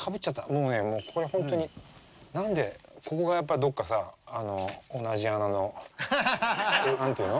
もうねこれ本当に何でここがやっぱりどっかさ同じ穴の何て言うの？